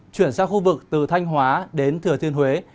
chuyển sang khu vực từ thanh hóa đến thừa thiên huế